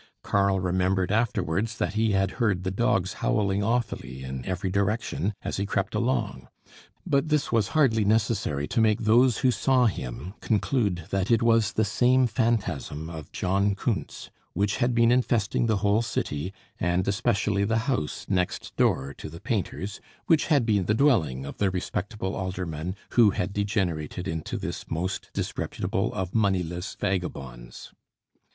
Karl remembered afterwards that he had heard the dogs howling awfully in every direction, as he crept along; but this was hardly necessary to make those who saw him conclude that it was the same phantasm of John Kuntz, which had been infesting the whole city, and especially the house next door to the painter's, which had been the dwelling of the respectable alderman who had degenerated into this most disreputable of moneyless vagabonds.